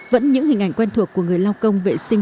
vẫn những hình ảnh quen thuộc của người lao công vệ sinh